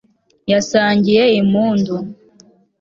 yasangiye impundu